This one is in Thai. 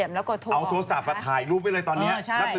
แล้วก็เอาโทรศัพท์ถ่ายรูปไว้เลยตอนนี้